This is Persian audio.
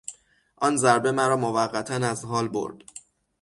آن ضربه مرا موقتا از حال برد.